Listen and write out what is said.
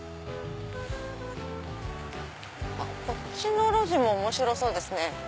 こっちの路地も面白そうですね。